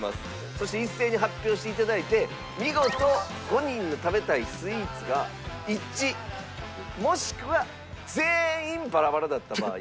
そして一斉に発表していただいて見事５人の食べたいスイーツが一致もしくは全員バラバラだった場合。